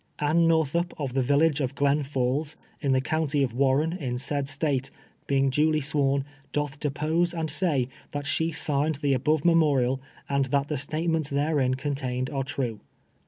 Anne Northup, of the village of Glens Falls, in the county of Warren, in said Stale, being duly sworn, doth depose and say that she signed the above rneniorial, and that the state ments therein contauied are ti'ue.